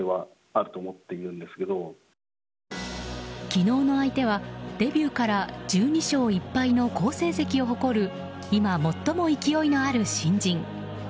昨日の相手は、デビューから１２勝１敗の好成績を誇る今、最も勢いのある新人。